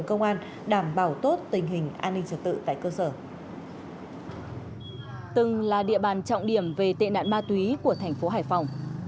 công an tỉnh hà tĩnh là địa bàn trọng điểm về tệ nạn ma túy của thành phố hải phòng